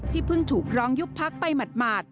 เพิ่งถูกร้องยุบพักไปหมาด